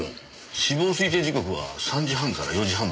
死亡推定時刻は３時半から４時半の間です。